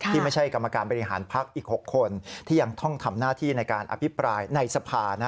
ไม่ใช่กรรมการบริหารพักอีก๖คนที่ยังต้องทำหน้าที่ในการอภิปรายในสภา